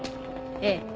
ええ。